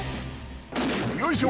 「よいしょ！